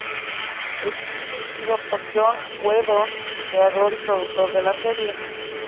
Escrito y dirigido por Joss Whedon, creador y productor de la serie.